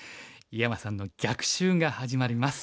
井山さんの逆襲が始まります。